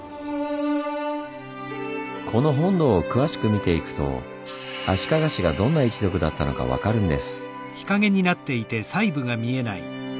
この本堂を詳しく見ていくと足利氏がどんな一族だったのかわかるんです。